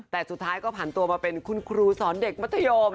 แต่สุดท้ายก็ผ่านตัวมาเป็นคุณครูสอนเด็กมัธยม